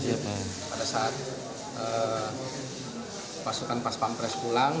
jadi pada saat pasukan pas pampres pulang